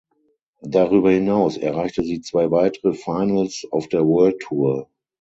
Darüber hinaus erreichte sie zwei weitere Finals auf der World Tour.